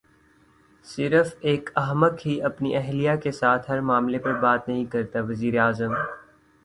صرف ایک احمق ہی اپنی اہلیہ کے ساتھ ہر معاملے پر بات نہیں کرتا وزیراعظم